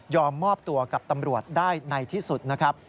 มอบตัวกับตำรวจได้ในที่สุดนะครับ